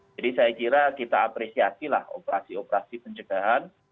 jadi saya kira kita apresiasilah operasi operasi pencegahan